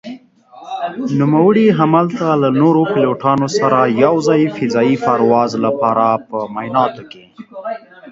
نوموړي هملته له نورو پيلوټانو سره يو ځاى فضايي پرواز لپاره په معايناتو کې